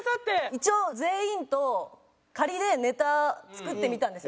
一応全員と仮でネタ作ってみたんですよ。